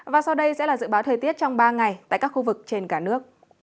và sau đây sẽ là dự báo thời tiết trong ba ngày tại các khu vực trên cả nước